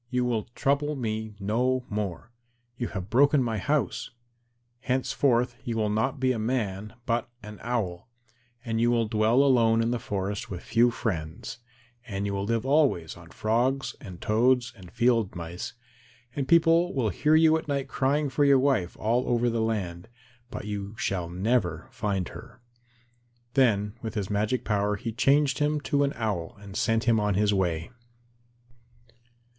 You will trouble me no more. You have broken my house. Henceforth you will be not a man but an Owl, and you will dwell alone in the forest with few friends, and you will live always on frogs and toads and field mice, and people will hear you at night crying for your wife all over the land, but you shall never find her." Then with his magic power he changed him to an Owl and sent him on his way.